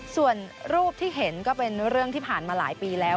ส่วนรูปที่เห็นก็เป็นเรื่องที่ผ่านมาหลายปีแล้ว